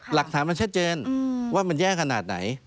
หลักฐานมันชัดเจนว่ามันแย่ขนาดไหน